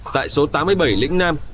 tại số tám mươi bảy lĩnh nam